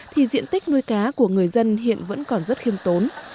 thì diện tích nuôi cá của người dân hiện vẫn còn rất khiêm tốn